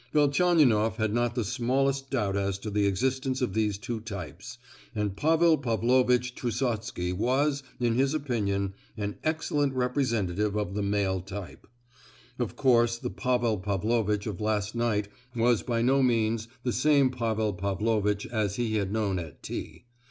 Velchaninoff had not the smallest doubt as to the existence of these two types, and Pavel Pavlovitch Trusotsky was, in his opinion, an excellent representative of the male type. Of course, the Pavel Pavlovitch of last night was by no means the same Pavel Pavlovitch as he had known at T——.